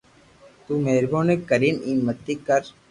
تو مھربوني ڪرن ايم متي ڪر